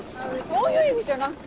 そういう意味じゃなくて。